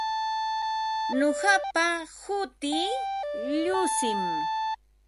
Nuqapa hutii Llushim.